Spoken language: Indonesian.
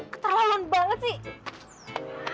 keterlaluan banget sih